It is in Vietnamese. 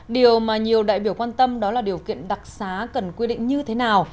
điều mà nhiều đại biểu quan tâm đó là điều kiện đặc xá cần quy định như thế nào